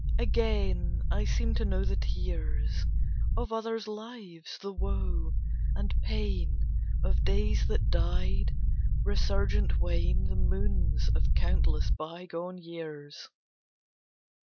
Again I seem to know the tears Of other lives, the woe and pain Of days that died; resurgent wane The moons of countless bygone years.